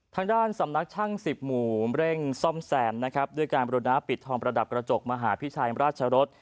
ทางด้านสำนักช่างสิบหมู่เร่งซ่อมแซมนะครับด้วยการบริณาปิดทองประดับกระจกมหาพิชัยราชรส